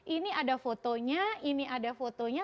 ini ada fotonya ini ada fotonya